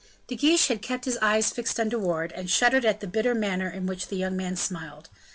De Guiche had kept his eyes fixed on De Wardes, and shuddered at the bitter manner in which the young man smiled.